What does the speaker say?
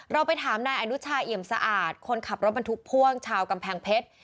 เราไปถามนายอนุชาเอี่ยมสะอาดคนขับรถบรรทุกพ่วงชาวกำแพงเพชร